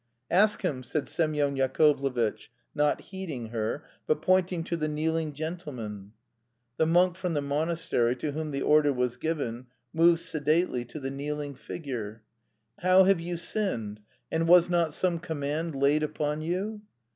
"Ask him!" said Semyon Yakovlevitch, not heeding her, but pointing to the kneeling gentleman. The monk from the monastery to whom the order was given moved sedately to the kneeling figure. "How have you sinned? And was not some command laid upon you?"